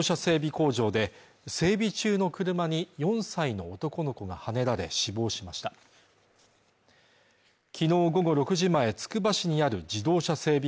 工場で整備中の車に４歳の男の子がはねられ死亡しました昨日午後６時前つくば市にある自動車整備